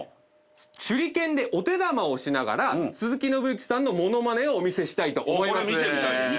手裏剣でお手玉をしながら鈴木伸之さんの物まねをお見せしたいと思います。